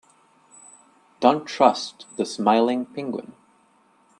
Don't trust the smiling penguin.